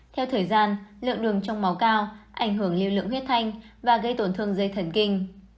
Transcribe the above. theo thời gian lượng đường trong máu cao ảnh hưởng lưu lượng huyết thanh và gây tổn thương dây thần kinh